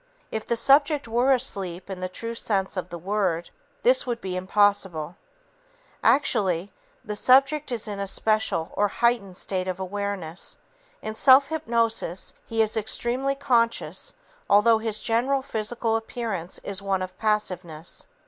If the subject were asleep in the true sense of the word, this would be impossible. Actually, the subject is in a special or heightened state of awareness. In self hypnosis, he is extremely conscious although his general physical appearance is one of passiveness.